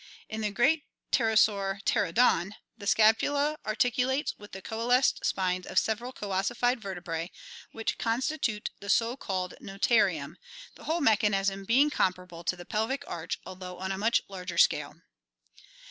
In the great ptero saur Pteranodon (Fig. 86) the scapula articulates with the coalesced spines of several coossified vertebrae which constitute the so called notarium, the whole mechanism being comparable to the pelvic arch although on a much larger scale.